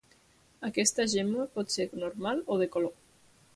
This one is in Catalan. Aquesta gemma pot ser normal o de color.